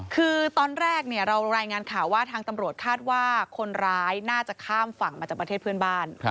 คือตอนแรกเรารายงานข่าวว่าทางตำรวจคาดว่าคนร้ายน่าจะข้ามฝั่งมาจากประเทศเพื่อนบ้าน